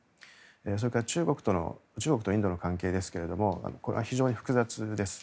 それから中国とインドの関係ですがこれは非常に複雑です。